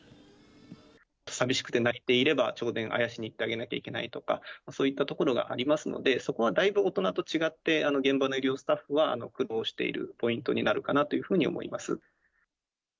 さみしくて泣いていれば、当然あやしに行っていかなきゃいけないとか、そういったところがありますので、そこはだいぶ大人と違って、現場の医療スタッフは苦労しているポイントになるかなというふうに思います。